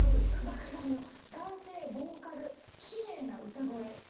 だからあの「男性ボーカルきれいな歌声いい歌」。